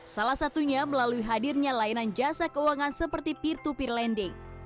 salah satunya melalui hadirnya layanan jasa keuangan seperti peer to peer lending